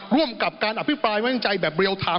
ร่วมกับการอภิปรายไว้ในใจแบบเรียลไทม์